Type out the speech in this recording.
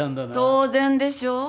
当然でしょう。